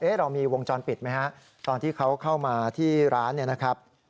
เรามีวงจรปิดไหมฮะตอนที่เขาเข้ามาที่ร้านเนี่ยนะครับ